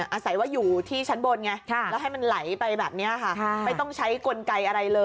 อาศัยว่าอยู่ที่ชั้นบนไงแล้วให้มันไหลไปแบบนี้ค่ะ